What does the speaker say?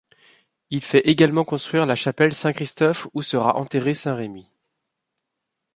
Il fait également construire la chapelle Saint-Christophe où sera enterré saint Remi.